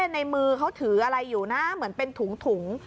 ในมือเขาถืออะไรอยู่นะเหมือนเป็นถุง